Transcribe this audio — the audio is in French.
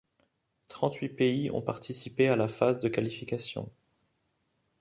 Trente huit pays ont participé à la phase de qualification.